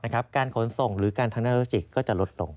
การค้นส่งหรือการทางนาโลกิกก็จะลดลง